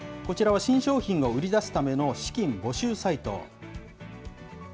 こちらは新商品を売り出すための資金募集サイト。